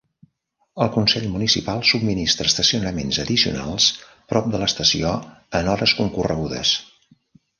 El Consell Municipal subministra estacionaments addicionals prop de l'estació en hores concorregudes.